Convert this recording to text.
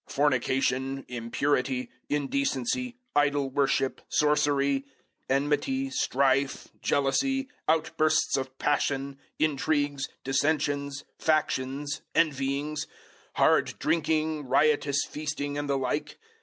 Fornication, impurity, indecency, idol worship, sorcery; 005:020 enmity, strife, jealousy, outbursts of passion, intrigues, dissensions, factions, envyings; 005:021 hard drinking, riotous feasting, and the like.